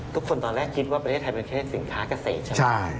ตอนแรกคิดว่าประเทศไทยเป็นแค่สินค้าเกษตรใช่ไหม